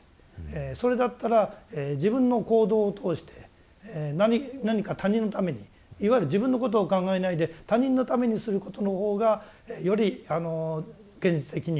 それだったら自分の行動を通して何か他人のためにいわゆる自分のことを考えないで他人のためにすることのほうがより現実的に自分のことを考えない。